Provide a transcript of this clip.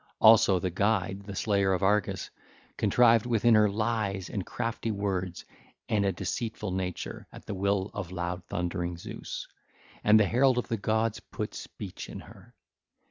Also the Guide, the Slayer of Argus, contrived within her lies and crafty words and a deceitful nature at the will of loud thundering Zeus, and the Herald of the gods put speech in her.